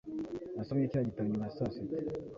Nasomye kiriya gitabo nyuma ya saa sita